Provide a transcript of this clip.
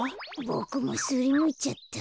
ボクもすりむいちゃった。